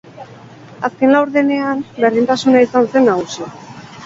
Azken laurdenean berdintasuna izan zen nagusi.